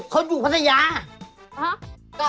เขาอยู่แผ้งจักรศรีค์